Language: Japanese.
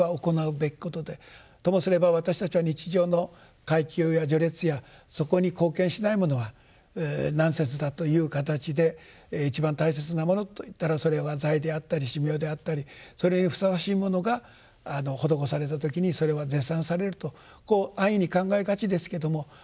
ともすれば私たちは日常の階級や序列やそこに貢献しないものはナンセンスだという形で一番大切なものといったらそれは財であったり身命であったりそれにふさわしいものが施された時にそれは絶賛されるとこう安易に考えがちですけどもそうではない。